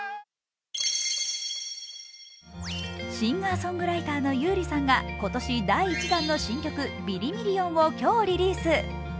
シンガーソングライターの優里さんが今年、第１弾の新曲「ビリミリオン」を今日リリース。